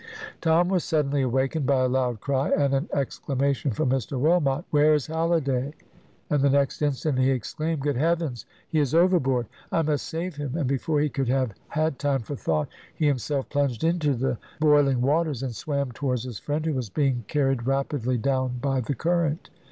Tom was suddenly awakened by a loud cry and an exclamation from Mr Wilmot, "Where is Halliday?" and the next instant he exclaimed, "Good heavens! he is overboard! I must save him!" and before he could have had time for thought, he himself plunged into the boiling waters, and swam towards his friend, who was being carried rapidly down by the current.